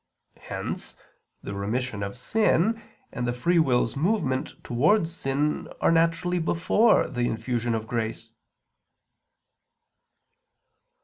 Hence the remission of sin and the free will's movement towards sin are naturally before the infusion of grace.